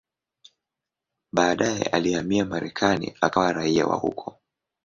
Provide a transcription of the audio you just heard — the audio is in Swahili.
Baadaye alihamia Marekani akawa raia wa huko.